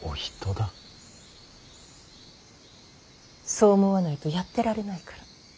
そう思わないとやってられないから。